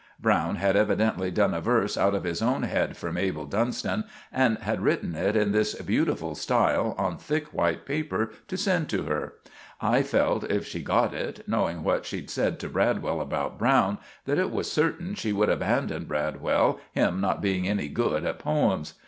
Browne had evidently done a verse out of his own head for Mabel Dunston, and had written it in this butiful style, on thick white paper, to send to her. I felt if she got it, knowing what she'd said to Bradwell about Browne, that it was certin she would abbandon Bradwell, him not being any good at poems.